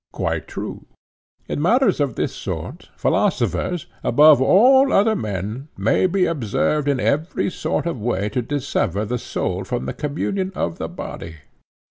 Quite true. In matters of this sort philosophers, above all other men, may be observed in every sort of way to dissever the soul from the communion of the body.